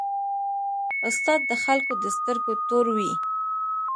استاد د خلکو د سترګو تور وي.